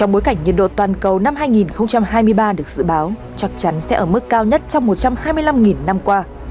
mức cao nhất trong một trăm hai mươi năm năm qua